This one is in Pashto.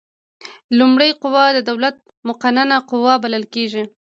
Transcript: لومړۍ قوه د دولت مقننه قوه بلل کیږي.